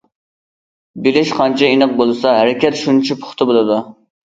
بىلىش قانچە ئېنىق بولسا، ھەرىكەت شۇنچە پۇختا بولىدۇ.